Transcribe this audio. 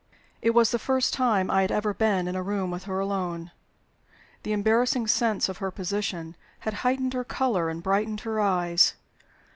It was the first time I had ever been in a room with her alone. The embarrassing sense of her position had heightened her color and brightened her eyes.